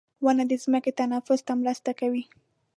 • ونه د ځمکې تنفس ته مرسته کوي.